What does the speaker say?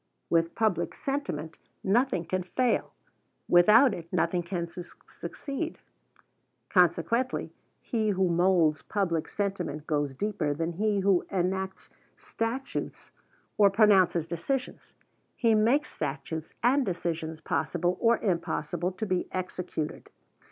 With public sentiment, nothing can fail: without it, nothing can succeed. Consequently, he who molds public sentiment goes deeper than he who enacts statutes or pronounces decisions. He makes statutes and decisions possible or impossible to be executed.